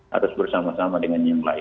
harus bersama sama dengan yang lain